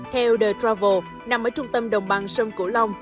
theo the travel nằm ở trung tâm đồng bằng sông cửu long